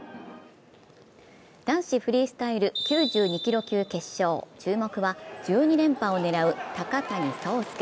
男子フリースタイル９２キロ級決勝、注目は１２連覇を狙う高谷惣亮。